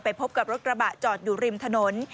พบกับรถกระบะจอดอยู่ริมถนน